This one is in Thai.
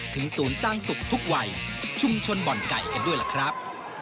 ศูนย์สร้างสุขทุกวัยชุมชนบ่อนไก่กันด้วยล่ะครับ